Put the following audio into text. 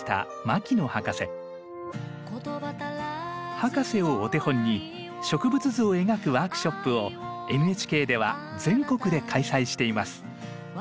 博士をお手本に植物図を描くワークショップをＮＨＫでは全国で開催しています。